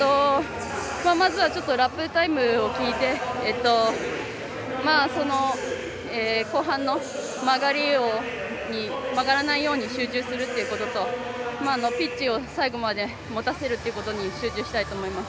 まずはラップタイムを聞き後半、曲がらないように集中するということとピッチを最後までもたせるってことに集中したいと思います。